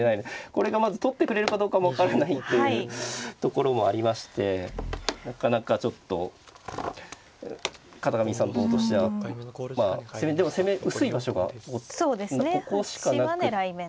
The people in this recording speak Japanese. これがまず取ってくれるかどうかも分からないというところもありましてなかなかちょっと片上さんの方としてはまあでも攻め薄い場所がここしかなくって。